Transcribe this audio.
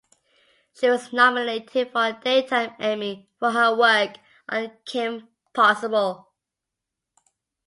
She was nominated for a Daytime Emmy for her work on "Kim Possible".